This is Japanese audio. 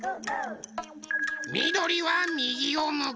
みどりはみぎをむく。